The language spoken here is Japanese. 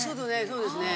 そうですね。